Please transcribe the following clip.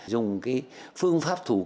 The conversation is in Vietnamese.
dùng cái phương pháp thủ công